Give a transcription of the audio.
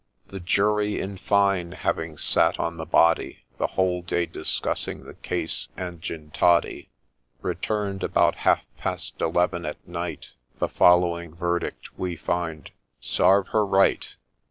The jury, in fine, having sat on the body The whole day, discussing the case, a'nd gin toddy, Return'd about half past eleven at night The following verdict, ' We find, Sarve her right